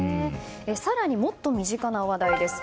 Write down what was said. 更に、もっと身近な話題です。